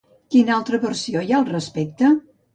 Quina altra versió hi ha al respecte?